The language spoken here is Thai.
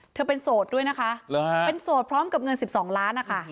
เธอเป็นโสดด้วยนะคะเป็นโสดพร้อมกับเงิน๑๒ล้านนะคะ